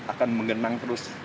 akan menggenang terus